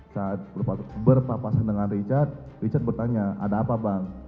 saat berpapasan dengan richard richard bertanya ada apa bang